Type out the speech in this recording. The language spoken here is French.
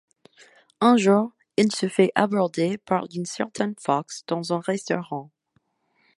Un jour, il se fait aborder par une certaine Fox dans un restaurant.